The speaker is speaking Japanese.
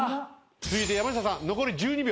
続いて山下さん残り１２秒。